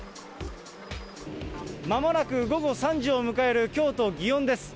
まもなく午後３時を迎える京都・祇園です。